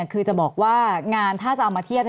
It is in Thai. คือจะบอกว่างานถ้าจะเอามาเทียบ